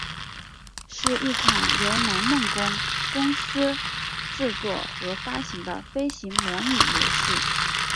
是一款由南梦宫公司制作和发行的飞行模拟游戏。